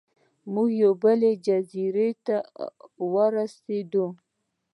موږ یوې بلې جزیرې ته ورسیدو.